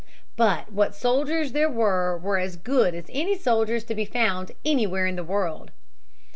But what soldiers there were were as good as any soldiers to be found anywhere in the world.